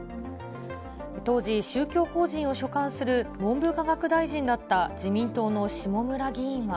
当時、宗教法人を所管する文部科学大臣だった自民党の下村議員は。